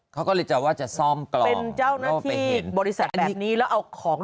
เขาก็จะส้อมกล่อง